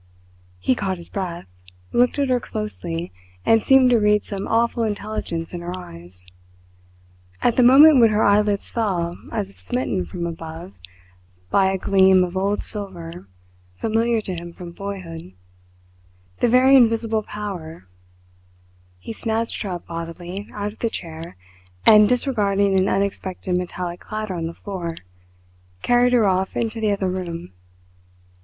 He caught his breath, looked at her closely, and seemed to read some awful intelligence in her eyes. At the moment when her eyelids fell as if smitten from above by an the gleam of old silver familiar to him from boyhood, the very invisible power, he snatched her up bodily out of the chair, and disregarding an unexpected metallic clatter on the floor, carried her off into the other room.